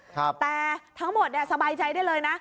แต่ทั้งหมดเนี่ยสบายใจได้เลยนะ